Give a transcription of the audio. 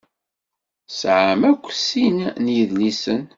Tesɛam akk sin n yidlisen.